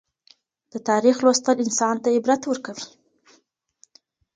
د تاریخ لوستل انسان ته عبرت ورکوي.